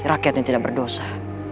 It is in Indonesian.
rakyat yang tidak berdosa